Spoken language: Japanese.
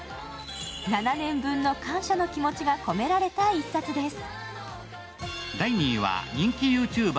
７年分の感謝の気持ちが込められた一冊です。